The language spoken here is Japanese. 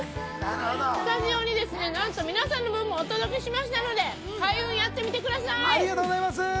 スタジオに皆さんの分もお届けしましたので開運やってみてください。